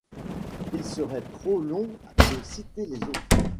Il serait trop long de citer les autres.